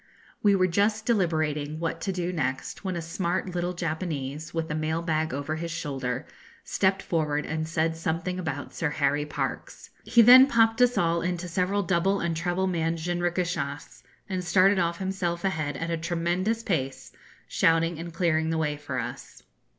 We were just deliberating what to do next, when a smart little Japanese, with a mail bag over his shoulder, stepped forward and said something about Sir Harry Parkes. He then popped us all into several double and treble manned jinrikishas, and started off himself ahead at a tremendous pace, shouting and clearing the way for us.